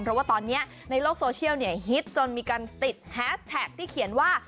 เพราะว่าตอนนี้ในโลกโซเชียลฮิตจนมีการติดแฮสแท็กที่เขียนว่า